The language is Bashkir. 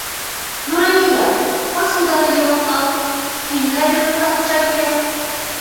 Нурания, посуданы йыуып ал, һин хәҙер бында хужабикә.